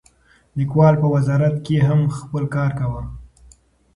لیکوال په وزارت کې هم خپل کار کاوه.